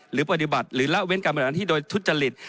หรือปฏิบัติหรือละเว้นการบริหารที่โดยทุจริต